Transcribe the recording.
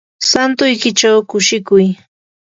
santuykichaw kushikuy.